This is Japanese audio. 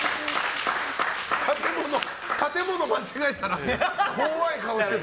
建物間違えたら怖い顔してた。